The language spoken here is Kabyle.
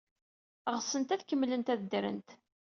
Ɣsent ad kemmlent ad ddrent.